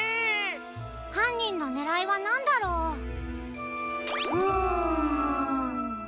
はんにんのねらいはなんだろう？ふむ。